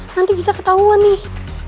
nanti bisa ketauan nih